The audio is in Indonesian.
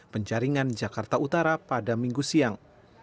penjaringan jakarta utara pada minggu siang